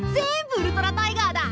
ウルトラタイガーだ！